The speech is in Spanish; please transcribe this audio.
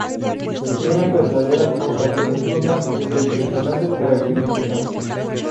Eran verdaderas fortalezas flotantes de impresionantes características.